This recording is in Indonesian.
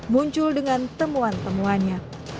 muncul dengan temuan temuannya